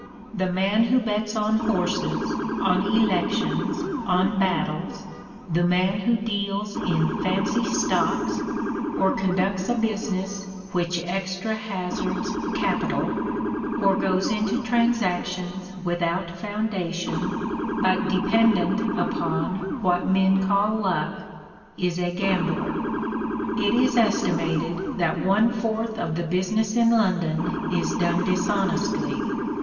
The man who bets on horses, on elections, on battles the man who deals in "fancy" stocks, or conducts a business which extra hazards capital, or goes into transactions without foundation, but dependent upon what men call "luck," is a gambler. It is estimated that one fourth of the business in London is done dishonestly.